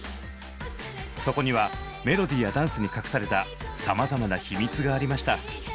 そこにはメロディーやダンスに隠されたさまざまな秘密がありました。